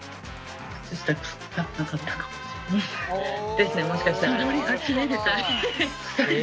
ですねもしかしたら。